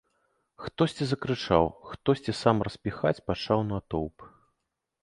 Хтосьці закрычаў, хтосьці сам распіхаць пачаў натоўп.